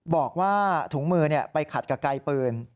บอกว่าถุงมือไปขัดกับไกลปืน